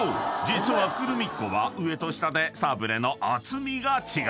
実はクルミッ子は上と下でサブレの］